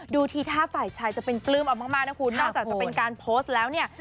ดูทีท่าฝ่ายชายจะเป็นปลื้มเอามากนะคุณนอกจากจะเป็นการโพสต์แล้วเนี่ย